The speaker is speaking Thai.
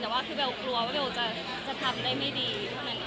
แต่ว่าคือเบลกลัวว่าเบลจะทำได้ไม่ดีเท่านั้นเอง